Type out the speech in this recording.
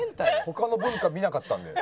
他の文化見なかったので。